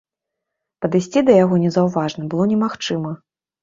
Падысці да яго незаўважна было немагчыма.